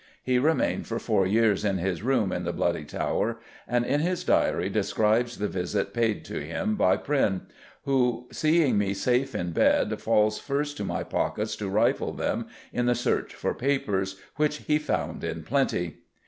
He remained for four years in his room in the Bloody Tower, and in his diary describes the visit paid to him by Prynne, "who seeing me safe in bed, falls first to my pockets to rifle them" in the search for papers, which he found in plenty.